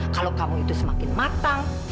kalau kamu itu semakin matang